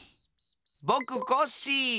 ぼくコッシー！